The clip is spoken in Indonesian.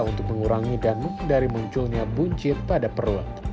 untuk mengurangi dan menghindari munculnya buncit pada perut